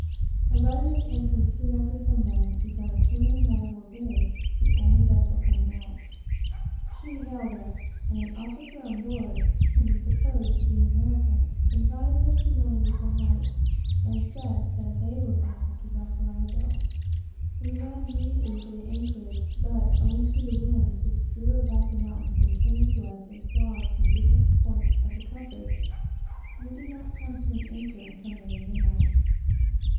Arriving at the entrance soon after sun down, we found a Chilian man of war brig, the only vessel, coming out. She hailed us, and an officer on board, whom we supposed to be an American, advised us to run in before night, and said that they were bound to Valparaiso. We ran immediately for the anchorage, but, owing to the winds which drew about the mountains and came to us in flaws from every point of the compass, we did not come to an anchor until nearly midnight.